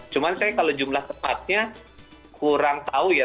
cuman saya kalau jumlah tempatnya kurang tahu ya